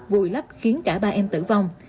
vùi lấp khiến cả ba em tử vong